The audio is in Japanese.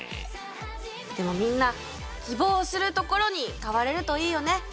でもみんな希望するところに買われるといいよね。